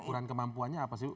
kekuran kemampuannya apa sih ibu